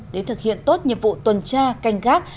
để thực hiện tốt nhiệm vụ tuần tra canh gác